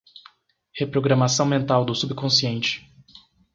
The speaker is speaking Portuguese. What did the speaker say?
Reprogramação mental do subconsciente